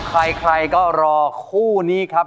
ใครก็รอคู่นี้ครับ